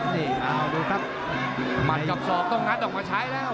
มัดกับสอบต้องงัดออกมาใช้แล้ว